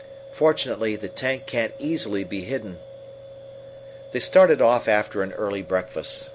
"Fortunately, the tank can't easily be hidden." They started off after an early breakfast.